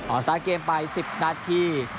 สตาร์เกมไป๑๐นาที